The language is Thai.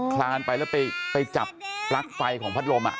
คลานไปแล้วไปจับปลั๊กไฟของพัดลม